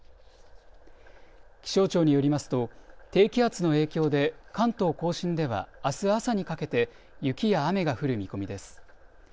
気象庁によりますと低気圧の影響で関東甲信ではあす朝にかけて雪や雨が降る見込みです。